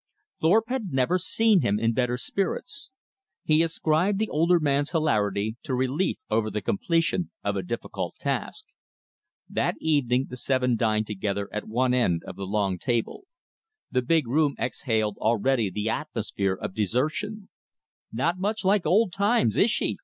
Thorpe had never seen him in better spirits. He ascribed the older man's hilarity to relief over the completion of a difficult task. That evening the seven dined together at one end of the long table. The big room exhaled already the atmosphere of desertion. "Not much like old times, is she?"